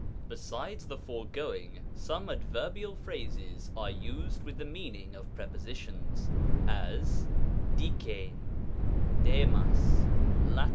181 Besides the foregoing, some adverbial phrases are used with the meaning of prepositions ; as, Sl^riv, Ss flag, (Lat.